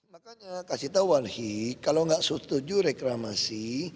makanya kasih tahu walhi kalau nggak setuju reklamasi